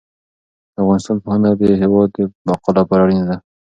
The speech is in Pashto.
د افغانستان پوهنه د هېواد د بقا لپاره اړینه ده.